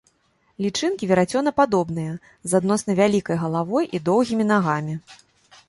Лічынкі верацёнападобныя, з адносна вялікай галавой і доўгімі нагамі.